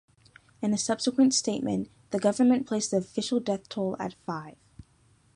In a subsequent statement, the government placed the official death toll at five.